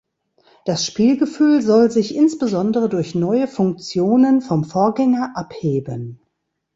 Das Spielgefühl soll sich insbesondere durch neue Funktionen vom Vorgänger abheben.